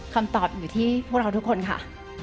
คำตอบอยู่ที่พวกเราทุกคนค่ะ